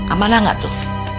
amanah nggak tuh